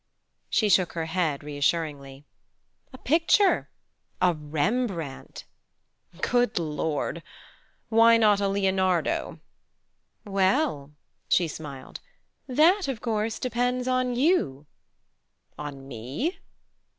She shook her head reassuringly. "A picture a Rembrandt!" "Good Lord! Why not a Leonardo?" "Well" she smiled "that, of course, depends on you." "On me?"